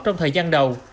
trong thời gian đầu